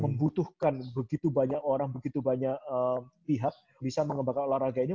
membutuhkan begitu banyak orang begitu banyak pihak bisa mengembangkan olahraga ini